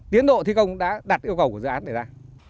tiến độ thi công đã đặt yêu cầu của dự án này ra